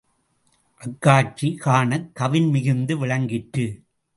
அக் காட்சி காணக் கவின் மிகுந்து விளங்கிற்று.